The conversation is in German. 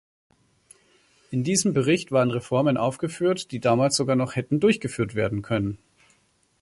In diesem Bericht waren Reformen aufgeführt, die damals sogar noch hätten durchgeführt werden können.